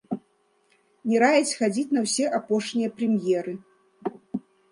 Не раіць хадзіць на ўсе апошнія прэм'еры!